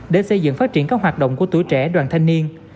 để xây dựng phát triển các hoạt động của tuổi trẻ đoàn thanh niên